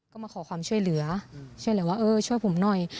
ก็มาขอความช่วยเหลือช่วยเหลือว่าเออช่วยผมหน่อย